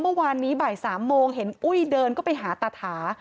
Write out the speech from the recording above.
เมื่อวานนี้บ่าย๓โมงเห็นอุ้ยเดินก็ไปหาตาถา